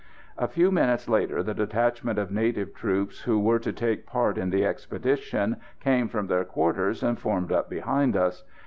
A few minutes later the detachment of native troops who were to take part in the expedition, came from their quarters and formed up behind us.